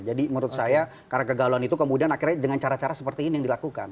jadi menurut saya karena kegalauan itu kemudian akhirnya dengan cara cara seperti ini yang dilakukan